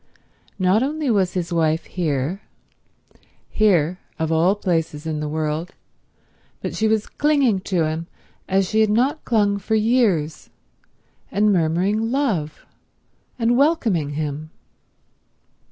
Not only was his wife here —here, of all places in the world—but she was clinging to him as she had not clung for years, and murmuring love, and welcoming him.